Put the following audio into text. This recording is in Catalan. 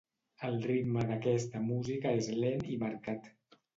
El ritme d'aquesta música és lent i marcat.